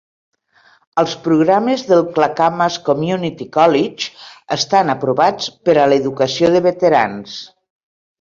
Els programes del Clackamas Community College estan aprovats per a l'educació de veterans.